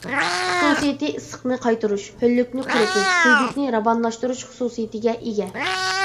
خۇسۇسىيىتى ئىسسىقنى قايتۇرۇش، ھۆللۈكنى قۇرۇتۇش، سۈيدۈكنى راۋانلاشتۇرۇش خۇسۇسىيىتىگە ئىگە.